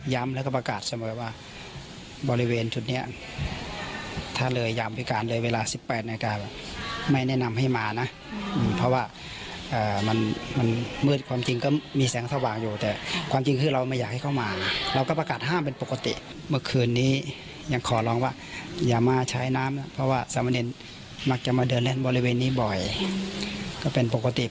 แล้วก็ประกาศเสมอว่าบริเวณจุดนี้ถ้าเลยยามพิการเลยเวลา๑๘นาฬิกาไม่แนะนำให้มานะเพราะว่ามันมืดความจริงก็มีแสงสว่างอยู่แต่ความจริงคือเราไม่อยากให้เข้ามาเราก็ประกาศห้ามเป็นปกติเมื่อคืนนี้ยังขอร้องว่าอย่ามาใช้น้ำนะเพราะว่าสามเณรมักจะมาเดินเล่นบริเวณนี้บ่อยก็เป็นปกติ